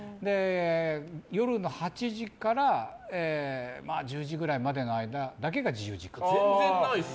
夜の８時から１０時くらいまでの間だけが自由時間です。